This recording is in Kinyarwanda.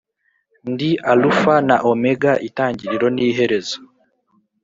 “Ndi Alufa na Omega, itangiriro n’iherezo”,